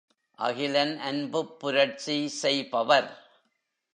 அகிலன் அன்புப்புரட்சி செய்பவர்.